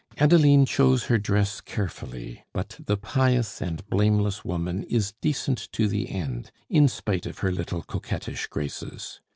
Adeline chose her dress carefully, but the pious and blameless woman is decent to the end, in spite of her little coquettish graces.